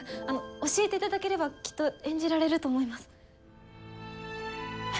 あの教えていただければきっと演じられると思います。